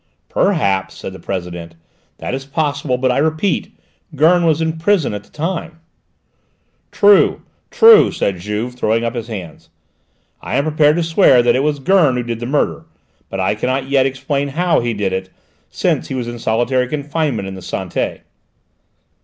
"Perhaps," said the President; "that is possible, but I repeat, Gurn was in prison at the time." "True! True!" said Juve, throwing up his hands. "I am prepared to swear that it was Gurn who did the murder, but I cannot yet explain how he did it, since he was in solitary confinement in the Santé."